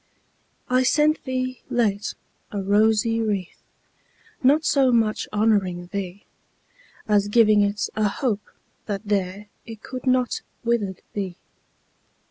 I sent thee, late, a rosy wreath, Not so much honouring thee, As giving it a hope, that there It could not withered be.